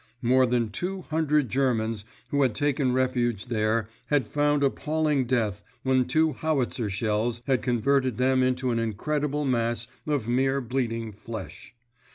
More than two hundred Germans who had taken refuge there had found appalling death when two howitzer shells had converted them into an incredible mass of mere bleeding flesh.